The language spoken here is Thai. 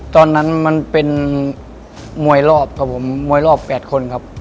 ตอนนั้นมันเป็นมวยรอบครับผมมวยรอบ๘คนครับ